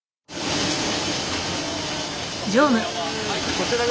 こちらは？